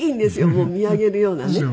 もう見上げるようなね。